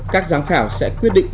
các giám khảo sẽ quyết định